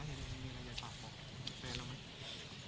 แล้วก็ได้คุยกับนายวิรพันธ์สามีของผู้ตายที่ว่าโดนกระสุนเฉียวริมฝีปากไปนะคะ